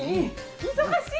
忙しい！